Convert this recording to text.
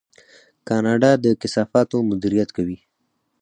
کاناډا د کثافاتو مدیریت کوي.